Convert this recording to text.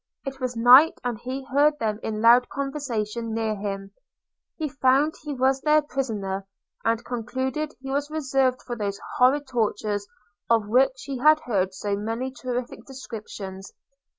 It was night, and he heard them in loud conversation near him – He found he was their prisoner, and concluded he was reserved for those horrid tortures of which he had heard so many terrific descriptions.